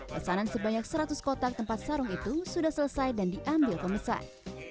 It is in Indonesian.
pesanan sebanyak seratus kotak tempat sarung itu sudah selesai dan diambil pemesan